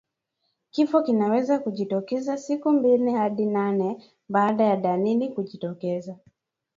Kifo kinaweza kujitokeza siku mbili hadi nane baada ya dalili kujitokeza